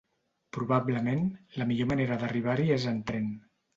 Probablement, la millor manera d'arribar-hi és en tren.